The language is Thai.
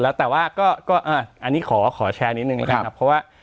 แล้วแต่ว่าก็ก็อ่าอันนี้ขอขอแชร์นิดหนึ่งนะครับเพราะว่า